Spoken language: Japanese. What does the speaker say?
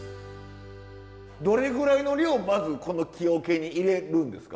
どれぐらいの量まずこの木桶に入れるんですか？